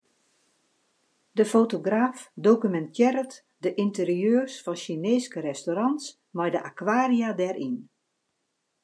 De fotograaf dokumintearret de ynterieurs fan Sjineeske restaurants mei de akwaria dêryn.